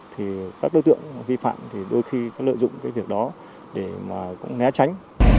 thì các đối tượng vi phạm thì đôi khi có lợi dụng cái việc đó để mà cũng né tránh